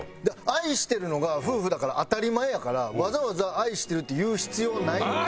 愛してるのが夫婦だから当たり前やからわざわざ「愛してる」って言う必要ないと。